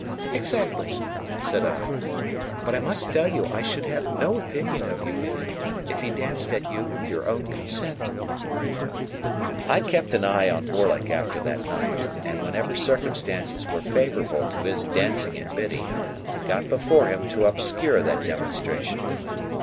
"Exactly," said I; "but I must tell you I should have no opinion of you, Biddy, if he danced at you with your own consent." I kept an eye on Orlick after that night, and, whenever circumstances were favourable to his dancing at Biddy, got before him to obscure that demonstration.